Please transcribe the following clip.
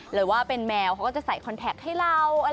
หรือว่าเป็นแมวเขาก็จะใส่คอนแท็กให้เรา